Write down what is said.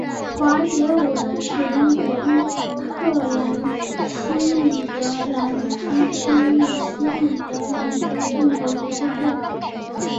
华捷伍德是英国英格兰西米德兰兹区域西米德兰兹郡的一个镇。